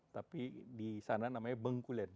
tapi di sana namanya bengkulen